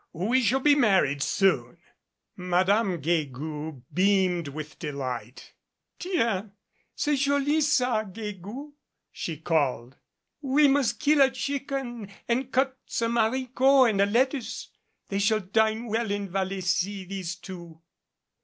"We shall be married soon." Madame Guegou beamed with delight. "Tiens! Cest joli, fa! Guegou!" she called. "We must kill a chicken and cut some haricots and a lettuce. They shall dine well in Vallecy these two."